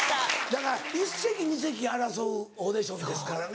だから１席２席争うオーディションですからね。